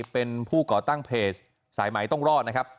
เป็นผู้ก่อตั้งเพจสายใหม่ต้องรอดนะครับ